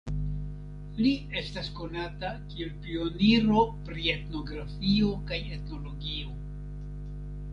Li estas konata kiel pioniro pri etnografio kaj etnologio.